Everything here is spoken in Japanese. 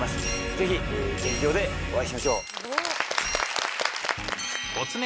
ぜひ劇場でお会いしましょう。